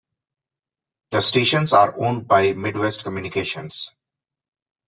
The stations are owned by Midwest Communications.